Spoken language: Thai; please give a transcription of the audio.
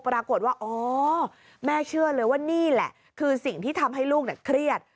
ปรากฏว่าอ๋อแม่เชื่อเลยว่านี่แหละคือสิ่งที่ทำให้ลูกเครียด